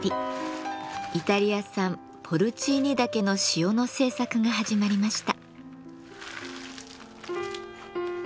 イタリア産ポルチーニ茸の塩の製作が始まりました。